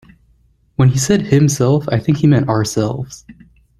When he said himself I think he meant ourselves.